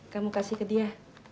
kamu kasih ke dia